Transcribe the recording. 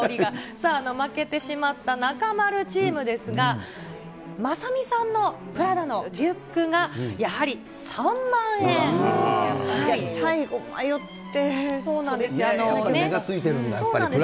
さあ、負けてしまった中丸チームですが、雅美さんのプラダのリュックがや最後迷って。